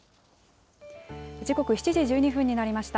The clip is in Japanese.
時刻７時１２分になりました。